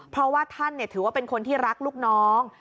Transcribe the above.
เพราะว่าท่านถือว่าเป็นคนที่รักลูกน้อง